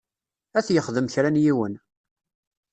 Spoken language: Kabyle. Ad t-yexdem kra n yiwen.